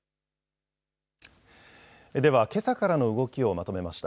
ではけさからの動きをまとめました。